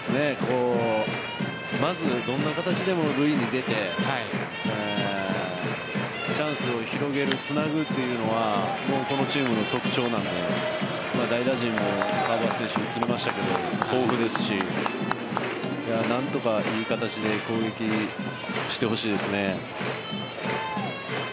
まず、どんな形でも塁に出てチャンスを広げる、つなぐというのはこのチームの特徴なので代打陣も川端選手映りましたが、豊富ですし何とかいい形で攻撃してほしいですね。